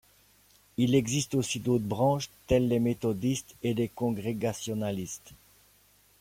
Il existe aussi d'autres branches, tels les méthodistes et les congrégationalistes.